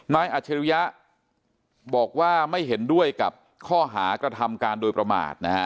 อัจฉริยะบอกว่าไม่เห็นด้วยกับข้อหากระทำการโดยประมาทนะฮะ